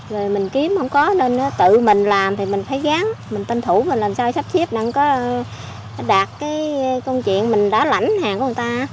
rồi mình kiếm không có nên tự mình làm thì mình phải gắn mình tên thủ mình làm sao sắp xếp để có đạt cái công chuyện mình đã lãnh hàng của người ta